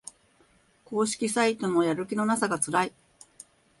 公式サイトのやる気のなさがつらい